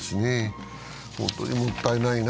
本当にもったいないな。